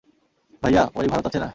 ভাইয়া, ঔই ভারত আছে না?